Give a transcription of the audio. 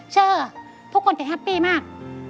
เชื่อทุกคนจะแฮปปี้มาก